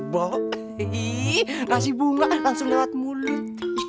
boh kasih bunga langsung lewat mulut